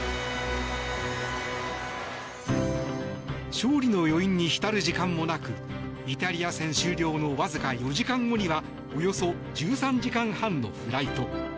勝利の余韻に浸る時間もなくイタリア戦終了のわずか４時間後にはおよそ１３時間半のフライト。